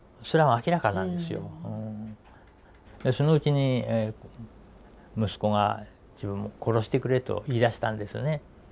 そのうちに息子が自分を殺してくれと言いだしたんですね。